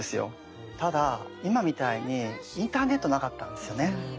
ただ今みたいにインターネットなかったんですよね。